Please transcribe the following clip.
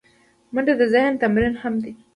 منډه د ذهن تمرین هم دی